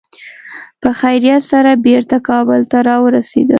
په خیریت سره بېرته کابل ته را ورسېدل.